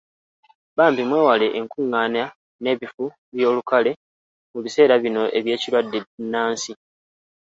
Bambi mwewale enkungaana n'ebifo by'olukale mu biseera bino eby'ekirwadde bbunansi.